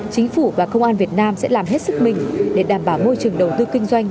chính phủ và công an việt nam sẽ làm hết sức mình để đảm bảo môi trường đầu tư kinh doanh